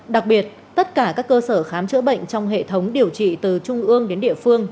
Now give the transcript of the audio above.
đặc biệt tất cả các cơ sở khám chữa bệnh trong hệ thống điều trị từ trung ương đến địa phương